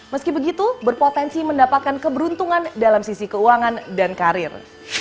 meski begitu berpotensi mendapatkan keberuntungan dalam sisi keuangan dan karir